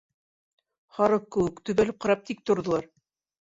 Һарыҡ кеүек, төбәлеп ҡарап тик торҙолар.